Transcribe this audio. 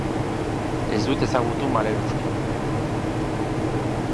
Ez dut ezagutu maleruski.